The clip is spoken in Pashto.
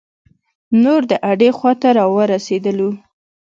نور د اډې خواته را ورسیدلو.